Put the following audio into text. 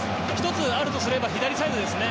１つ、あるとすれば左サイドですね。